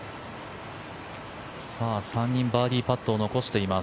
３人、バーディーパットを残しています。